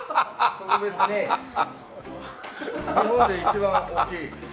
特別に日本で一番大きいカニを。